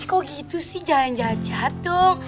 kok gitu sih jalan jahat jahat dong